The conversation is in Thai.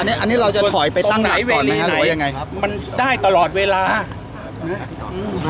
อันนี้อันนี้เราจะถอยไปตั้งหลักก่อนไหมฮะหรือว่ายังไงครับมันได้ตลอดเวลานะฮะ